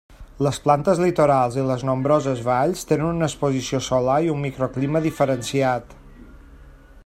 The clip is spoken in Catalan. Les planes litorals i les nombroses valls tenen una exposició solar i un microclima diferenciat.